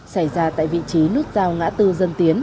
xảy ra tại vị trí nút giao ngã tư dân tiến